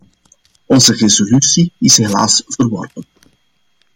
Onze resolutie is helaas verworpen.